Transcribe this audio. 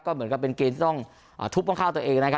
เหมือนกับเป็นเกมที่ต้องทุบห้องข้าวตัวเองนะครับ